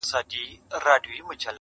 چي ګیدړان راځي د شنه زمري د کور تر کلي-